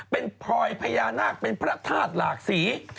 เป็นพลอยพญานาคเป็นพระธาตุหลากสี